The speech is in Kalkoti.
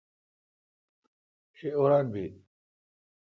شہ اوران بیل